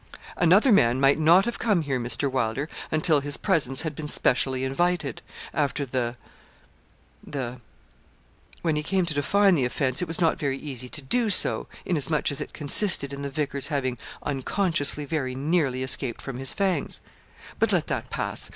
'Another man might not have come here, Mr. Wylder, until his presence had been specially invited, after the the ' when he came to define the offence it was not very easy to do so, inasmuch as it consisted in the vicar's having unconsciously very nearly escaped from his fangs; 'but let that pass.